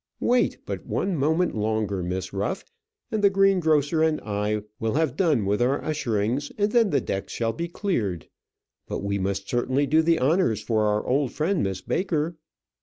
Wait but one moment longer, Miss Ruff, and the greengrocer and I will have done with our usherings, and then the decks shall be cleared. But we must certainly do the honours for our old friend Miss Baker.